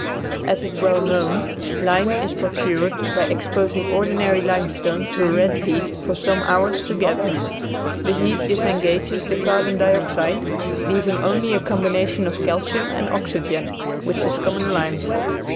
As is well known, lime is procured by exposing ordinary limestone to a red heat for some hours together. The heat disengages the carbon dioxide, leaving only a combination of calcium and oxygen, which is common lime.